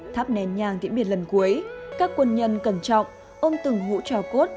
tháp nén nhang tỉ biệt lần cuối các quân nhân cẩn trọng ôm từng hũ trào cốt